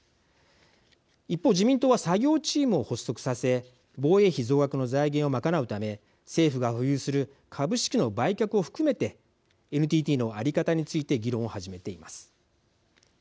一方、自民党は作業チームを発足させ防衛費増額の財源を賄うため政府が保有する株式の売却を含めてＮＴＴの在り方について議論を始めています。